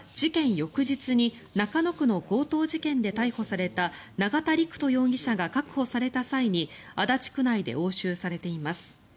翌日に中野区の強盗事件で逮捕された永田陸人容疑者が確保された際に足立区内で押収されています。